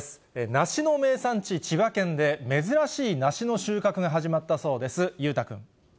梨の名産地、千葉県で、珍しい梨の収穫が始まったそうです。